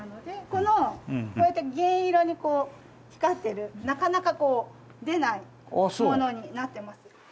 このこうやって銀色に光ってるなかなか出ないものになってます。